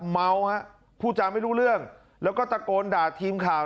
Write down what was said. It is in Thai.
เมาฮะพูดจาไม่รู้เรื่องแล้วก็ตะโกนด่าทีมข่าว